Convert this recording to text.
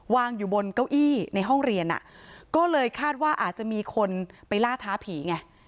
วางอยู่บนเก้าอี้ในห้องเรียนอ่ะก็เลยคาดว่าอาจจะมีคนไปล่าท้าผีไง